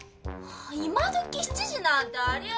今どき７時なんてあり得ない。